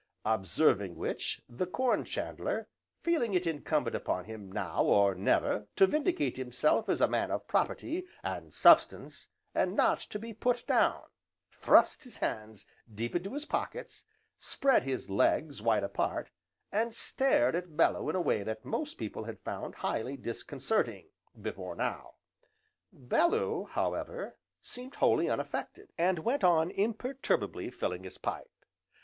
Observing which, the Corn chandler feeling it incumbent upon him now or never, to vindicate himself as a man of property, and substance, and not to be put down, thrust his hands deep into his pockets, spread his legs wide apart, and stared at Bellew in a way that most people had found highly disconcerting, before now. Bellew, however, seemed wholly unaffected, and went on imperturbably filling his pipe.